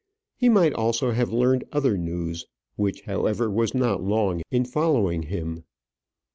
He might also have learned other news, which, however, was not long in following him.